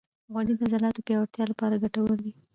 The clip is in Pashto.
غوړې د عضلاتو پیاوړتیا لپاره ګټورې دي.